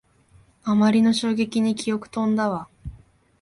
あまりの衝撃に記憶とんだわ